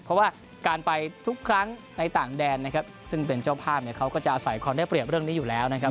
เพราะว่าการไปทุกครั้งในต่างแดนนะครับซึ่งเป็นเจ้าภาพเนี่ยเขาก็จะอาศัยความได้เปรียบเรื่องนี้อยู่แล้วนะครับ